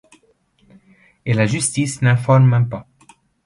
Et la justice n'informe même pas.